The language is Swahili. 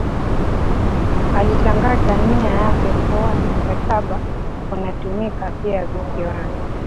Alitangaza nia yake kuona mkataba unatumika pia Visiwani